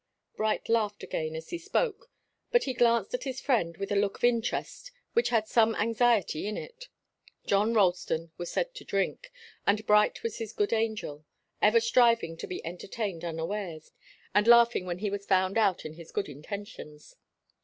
Bright laughed again as he spoke, but he glanced at his friend with a look of interest which had some anxiety in it. John Ralston was said to drink, and Bright was his good angel, ever striving to be entertained unawares, and laughing when he was found out in his good intentions.